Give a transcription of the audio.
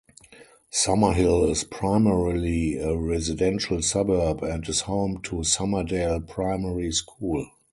Summerhill is primarily a residential suburb and is home to Summerdale Primary School.